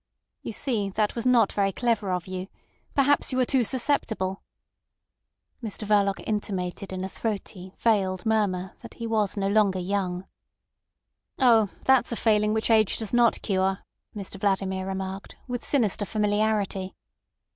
"You see, that was not very clever of you. Perhaps you are too susceptible." Mr Verloc intimated in a throaty, veiled murmur that he was no longer young. "Oh! That's a failing which age does not cure," Mr Vladimir remarked, with sinister familiarity.